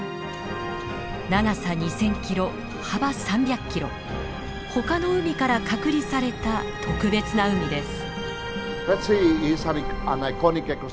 長さ２，０００キロ幅３００キロほかの海から隔離された特別な海です。